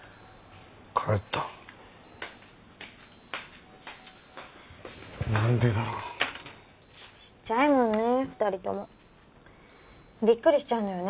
帰った何でだろちっちゃいもんね二人ともビックリしちゃうのよね